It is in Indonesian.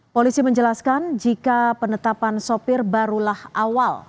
polisi menjelaskan jika penetapan sopir barulah awal